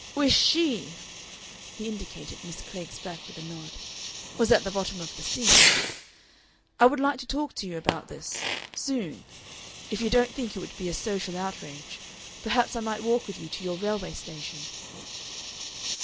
Wish SHE" he indicated Miss Klegg's back with a nod "was at the bottom of the sea.... I would like to talk to you about this soon. If you don't think it would be a social outrage, perhaps I might walk with you to your railway station."